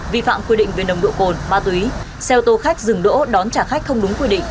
vi phạm quy định về nồng độ cồn ma túy xe ô tô khách dừng đỗ đón trả khách không đúng quy định